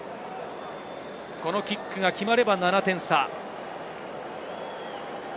このキックが決まれば７点差。